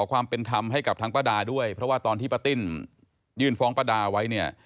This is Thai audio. ความเป็นธรรมให้กับทั้งป้าดาด้วยเพราะว่าตอนที่ป้าติ้นยื่นฟ้องป้าดาไว้เนี่ย